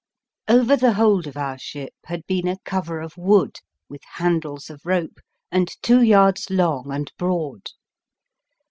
Over the hold of our ship had been a cover of wood with handles of rope and two yards long and broad.